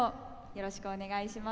よろしくお願いします。